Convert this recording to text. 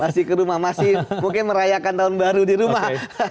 masih ke rumah masih mungkin merayakan tahun baru di rumah